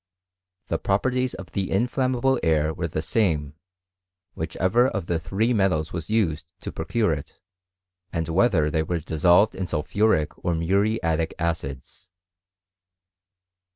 The properties of the inflammable air wer^ the same, whichever of the three metals was used to procure it, and whether they were dissolved in soli phuric or muriatic acids.